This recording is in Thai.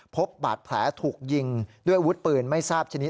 พบบาดแผลถูกยิงด้วยอาวุธปืนไม่ทราบชนิด